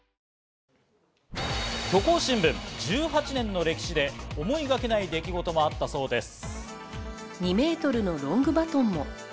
虚構新聞１８年の歴史で思いがけない出来事もあったそうです。